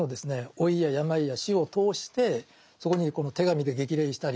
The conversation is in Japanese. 老いや病や死を通してそこにこの手紙で激励したりする。